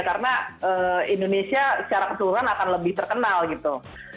karena indonesia secara keseluruhan akan lebih terkenal gitu